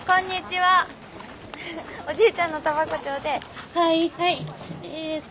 はい。